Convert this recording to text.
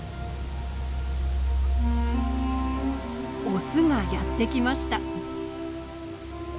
オスがやって来ました。